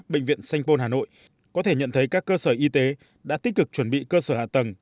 bệnh viện sanh pôn hà nội có thể nhận thấy các cơ sở y tế đã tích cực chuẩn bị cơ sở hạ tầng